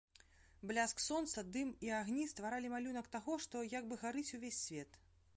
Бляск сонца, дым і агні стваралі малюнак таго, што як бы гарыць увесь свет.